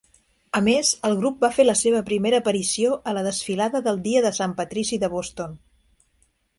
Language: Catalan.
A més, el grup va fer la seva primera aparició a la Desfilada del Dia de Sant Patrici de Boston.